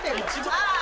ああ。